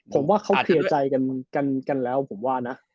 ผมว่าเขาเคลียร์ใจกันแล้วผมว่านะ